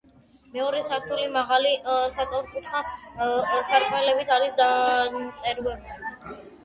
მეორე სართული მაღალი, სწორკუთხა სარკმლებით არის დანაწევრებული.